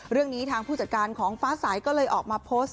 เรื่องนี้ทางผู้จัดการของฟ้าสายก็เลยออกมาโพสต์